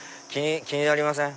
気になりません？